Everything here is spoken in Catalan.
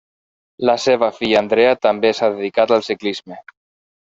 La seva filla Andrea també s'ha dedicat al ciclisme.